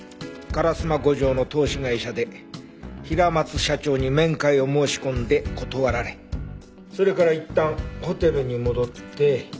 烏丸五条の投資会社で平松社長に面会を申し込んで断られそれからいったんホテルに戻って。